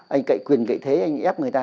anh cậy quyền cậy thế anh ép người ta